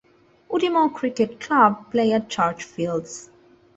Udimore Cricket Club play at Churchfields.